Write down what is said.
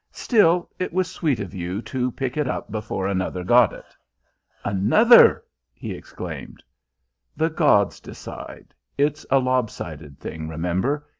"Still, it was sweet of you to pick it up before another got it." "Another!" he exclaimed. "The gods decide. It's a lob sided thing, remember.